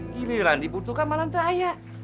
giliran dibutuhkan malam terayak